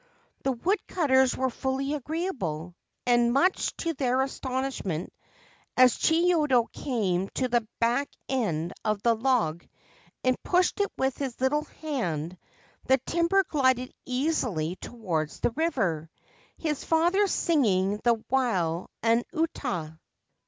The woodcutters were fully agreeable, and, much to their astonishment, as Chiyodo came to the back end of the log and pushed it with his little hand, the timber glided easily towards the river, his father singing the while an ' Uta.'